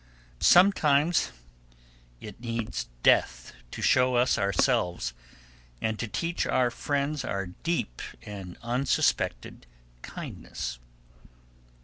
Sometimes it needs Death to show us ourselves and to teach our friends our deep and unsuspected kindness.